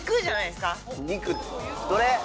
どれ？